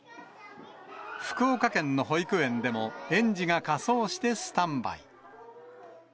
福岡県の保育園でも園児が仮装してスタンバイ。